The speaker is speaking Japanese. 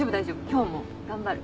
今日も頑張る。